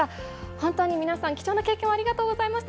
本当に皆さん、貴重な経験をありがとうございました。